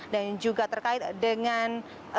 dan juga terkait dengan